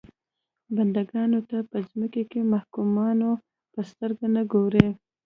بنده ګانو ته په ځمکه کې محکومانو په سترګه نه ګوري.